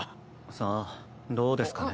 さあどうですかね。